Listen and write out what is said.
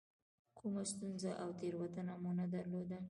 کومه ستونزه او تېروتنه مو نه درلوده.